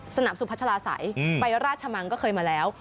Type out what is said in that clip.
สุพัชลาศัยไปราชมังก็เคยมาแล้ว